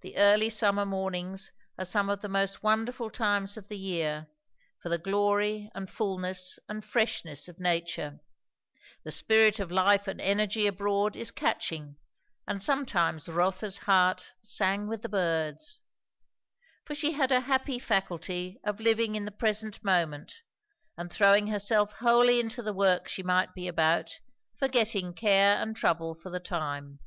The early summer mornings are some of the most wonderful times of the year, for the glory and fulness and freshness of nature; the spirit of life and energy abroad is catching; and sometimes Rotha's heart sang with the birds. For she had a happy faculty of living in the present moment, and throwing herself wholly into the work she might be about, forgetting care and trouble for the time.